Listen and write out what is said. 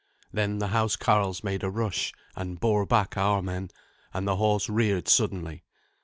Then the housecarls made a rush, and bore back our men, and the horse reared suddenly.